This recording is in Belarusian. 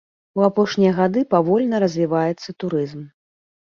У апошнія гады павольна развіваецца турызм.